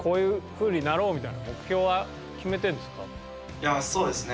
いやそうですね。